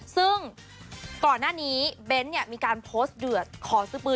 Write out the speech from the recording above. ซึ่งก่อนหน้านี้เบ้นเนี่ยมีการโพสต์เดือดขอซื้อปืน